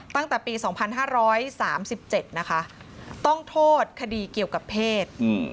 ตั้งแต่ปี๒๕๓๗นะคะต้องโทษคดีเกี่ยวกับเพศ